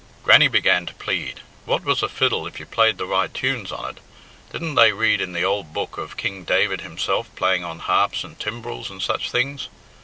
Grannie began to plead. What was a fiddle if you played the right tunes on it? Didn't they read in the ould Book of King David himself playing on harps and timbrels and such things?